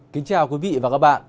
kính chào quý vị và các bạn